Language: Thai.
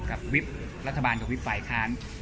วิบรัฐบาลกับวิบฝ่ายค้าน